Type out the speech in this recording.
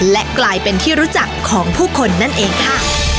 และกลายเป็นที่รู้จักของผู้คนนั่นเองค่ะ